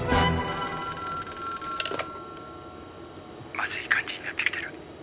☎☎まずい感じになってきてる。